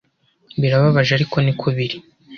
Birababaje ariko niko biri